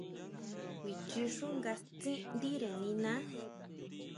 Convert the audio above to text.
Kuichi xú nga stsin ndire niná.